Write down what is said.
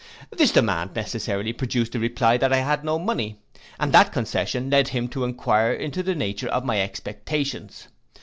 This demand necessarily produced a reply that I had no money; and that concession led him to enquire into the nature of my expectations.